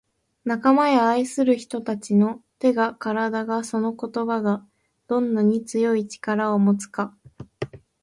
「仲間や愛する人達の手が体がその言葉がどんなに強い力を持つか」